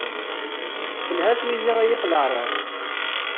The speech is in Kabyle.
Telha twizi ay at leεraḍ.